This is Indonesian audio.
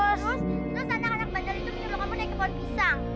terus terus anak anak bandel itu menyuruh kamu naik ke pohon pisang